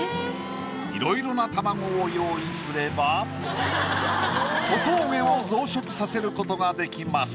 いろいろな卵を用意すれば小峠を増殖させることが出来ます。